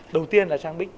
đầu tiên là trang bị